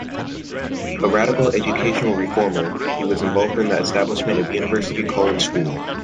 A 'radical educational reformer' he was involved in the establishment of University College School.